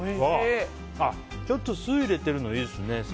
ちょっと酢入れてるのいいですね。